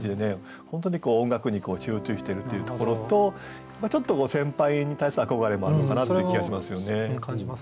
本当に音楽に集中してるっていうところとちょっと先輩に対する憧れもあるのかなっていう気がしますよね。